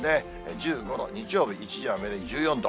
１５度、日曜日、一時雨で１４度。